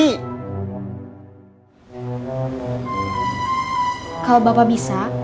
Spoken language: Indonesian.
kalau bapak bisa